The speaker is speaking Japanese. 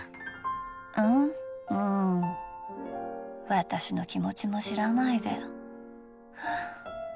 私の気持ちも知らないで。